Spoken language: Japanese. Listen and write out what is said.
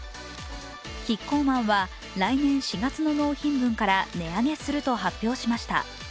キッコーマンは来年４月の納品分から値上げすると発表しました。